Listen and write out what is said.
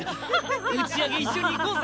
打ち上げ一緒に行こーぜ！